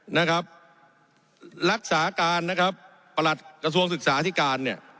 นะครับรักษาการนะครับประหลัดกระทรวงศึกษาที่การเนี่ย